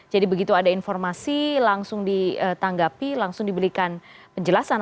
jadi begitu ada informasi langsung ditanggapi langsung diberikan penjelasan